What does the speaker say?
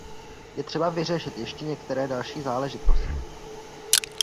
Je třeba vyřešit ještě některé další záležitosti.